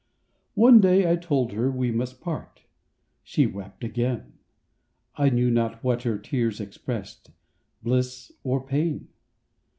One day I told her we must part— She wept again; I knew not what her tears expressed— Bliss or pain.